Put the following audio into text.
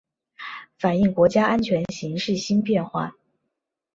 反映国家安全形势新变化